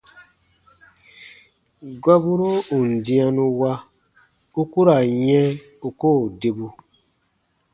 Gɔburo ù n dĩanu wa, u ku ra n yɛ̃ u koo debu.